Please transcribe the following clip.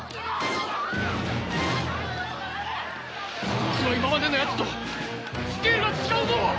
こいつは今までのやつとスケールが違うぞ！